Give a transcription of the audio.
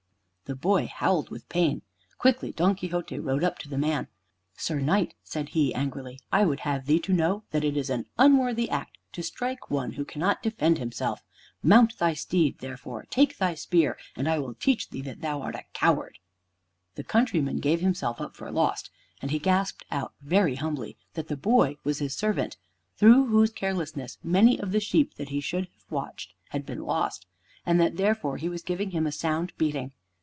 The boy howled with pain. Quickly Don Quixote rode up to the man. "Sir Knight," said he angrily, "I would have thee to know that it is an unworthy act to strike one who cannot defend himself. Mount thy steed, therefore, take thy spear, and I will teach thee that thou art a coward." The countryman gave himself up for lost, and he gasped out very humbly that the boy was his servant, through whose carelessness many of the sheep that he should have watched had been lost, and that therefore he was giving him a sound beating.